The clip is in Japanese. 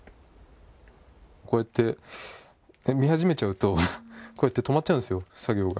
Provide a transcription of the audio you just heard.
こうやって見始めちゃうと、こうやって止まっちゃうんですよ、作業が。